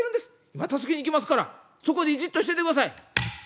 「今助けに行きますからそこでじっとしててください」。